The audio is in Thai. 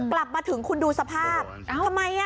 กลับมาถึงคุณดูสภาพ